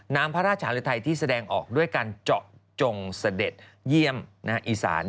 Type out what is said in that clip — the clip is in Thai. น้ำพระราชหรือไทยที่แสดงออกด้วยการเจาะจงเสด็จเยี่ยมอีสาน